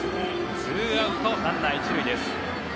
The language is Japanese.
ツーアウトランナー１塁です。